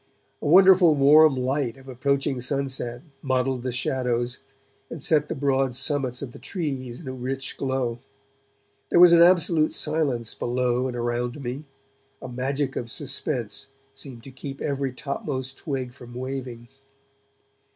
A wonderful warm light of approaching sunset modelled the shadows and set the broad summits of the trees in a rich glow. There was an absolute silence below and around me; a magic of suspense seemed to keep every topmost twig from waving.